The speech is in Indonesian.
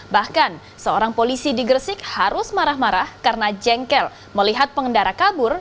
bahkan seorang polisi di gresik harus marah marah karena jengkel melihat pengendara kabur